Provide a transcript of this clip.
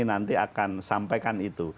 nanti akan sampaikan itu